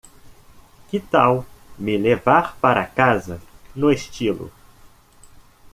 Que tal me levar para casa no estilo?